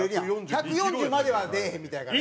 １４０までは出えへんみたいやから。